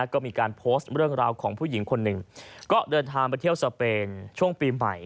ก็มีการโพสต์เรื่องราวของผู้หญิงคนหนึ่งก็เดินทางไปเที่ยวสเปนช่วงปีใหม่